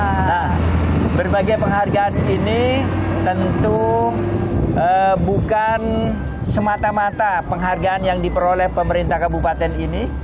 nah berbagai penghargaan ini tentu bukan semata mata penghargaan yang diperoleh pemerintah kabupaten ini